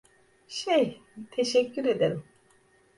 Şey, teşekkür ederim.